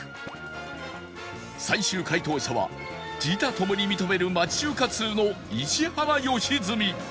最終解答者は自他ともに認める町中華通の石原良純